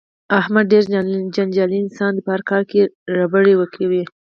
احمد ډېر جنجالي انسان دی په هر کار کې ربړې کوي.